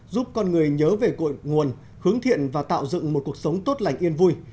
giúp con người nhớ về cội nguồn hướng thiện và tạo dựng một cuộc sống tốt lành yên vui